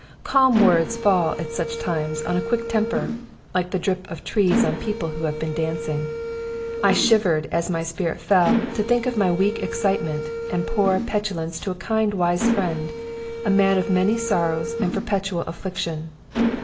Calm words fall at such times on quick temper like the drip of trees on people who have been dancing. I shivered, as my spirit fell, to think of my weak excitement, and poor petulance to a kind, wise friend, a man of many sorrows and perpetual affliction.